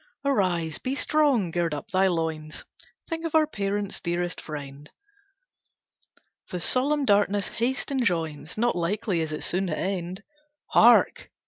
"Arise! Be strong! Gird up thy loins! Think of our parents, dearest friend! The solemn darkness haste enjoins, Not likely is it soon to end. Hark!